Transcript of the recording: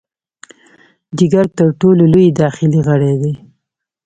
جګر تر ټولو لوی داخلي غړی دی.